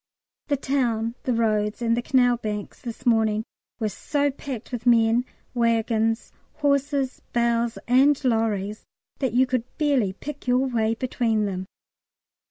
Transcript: The town, the roads, and the canal banks this morning were so packed with men, waggons, horses, bales, and lorries, that you could barely pick your way between them.